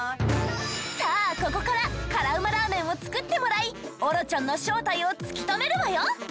さあここから辛ウマラーメンを作ってもらいオロチョンの正体を突き止めるわよ。